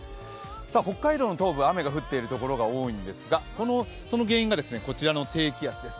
北海道の東部は雨が降っているところが多いんですが、その原因がこちらの低気圧です。